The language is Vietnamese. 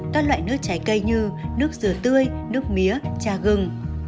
các loại nước trái cây như nước dừa tươi nước mía trà gừng